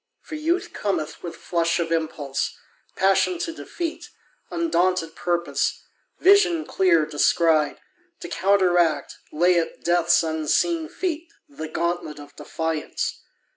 For Youth cometh With flush of impulse, passion to defeat, Undaunted purpose, vision clear descried, To counteract, lay at Death's unseen feet The gauntlet of defiance.